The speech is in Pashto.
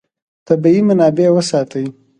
طبیعي منابع وساتئ.